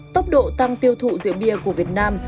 tốc độ tăng tiêu thụ rượu bia của việt nam